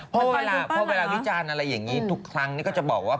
เพราะเวลาวิจารณ์อะไรอย่างนี้ทุกครั้งก็จะบอกว่า